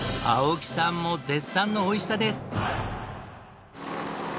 青木さんも絶賛のおいしさです。